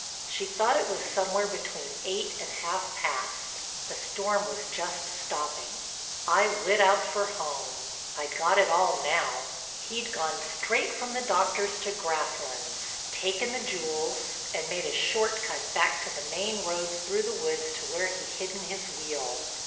She thought it was somewhere between eight and half past—the storm was just stopping. I lit out for home; I'd got it all now. He'd gone straight from the doctor's to Grasslands, taken the jewels, and made a short cut back to the main road through the woods to where he'd hidden his wheel.